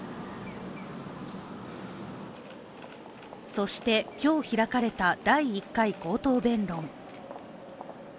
そして、今日開かれた第１回口頭弁論。